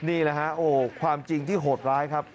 นี่แหละฮะโอ้ความจริงที่โหดร้ายครับ